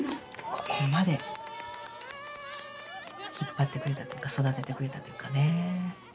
ここまで引っ張ってくれたっていうか育ててくれたというかね。